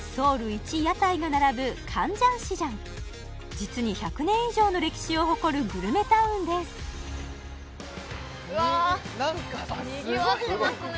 実に１００年以上の歴史を誇るグルメタウンですわあにぎわってますね